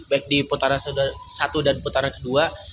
baik di putaran satu dan putaran kedua